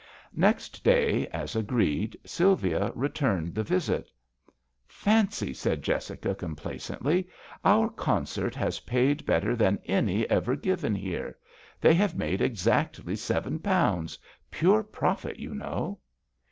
Next day, as agreed, Sylvia returned the visit. "Fancy," said Jessica, com placently —" our concert has paid better than any ever given here. They have made exactly seven pounds — pure profit, you know."